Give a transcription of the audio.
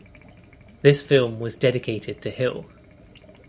This film was dedicated to Hill.